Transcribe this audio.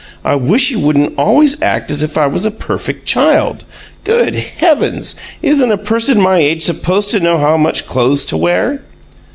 I wish you wouldn't always act as if I was a perfect child! Good heavens! isn't a person my age supposed to know how much clothes to wear?"